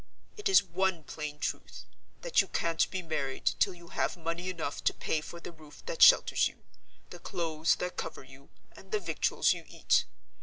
It is one plain truth that you can't be married till you have money enough to pay for the roof that shelters you, the clothes that cover you, and the victuals you eat.